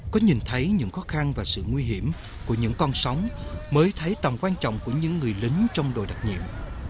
có nhìn thấy những khó khăn và sự nguy hiểm của những con sóng mới thấy tầm quan trọng của những người lính trong đội đặc nhiệm